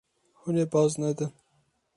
Hûn ê baz nedin.